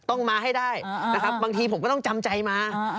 ต้องมาให้ได้นะครับบางทีผมก็ต้องจำใจมา